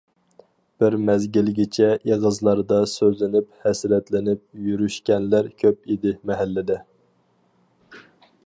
بىر مەزگىلگىچە ئېغىزلاردا سۆزلىنىپ ھەسرەتلىنىپ يۈرۈشكەنلەر كۆپ ئىدى مەھەللىدە.